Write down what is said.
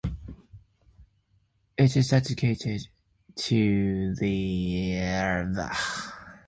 It is dedicated to the Ascension of Jesus.